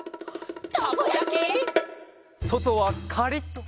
そとはカリッと！